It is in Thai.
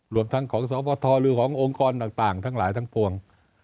รวมทั้งของสบทหรือขององค์กรต่างทั้งหลายทั้งปวง